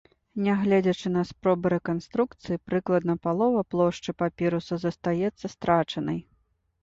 Нягледзячы на спробы рэканструкцыі, прыкладна палова плошчы папіруса застаецца страчанай.